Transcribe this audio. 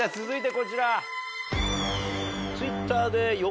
続いてこちら。